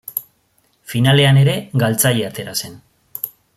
Finalean ere galtzaile atera zen.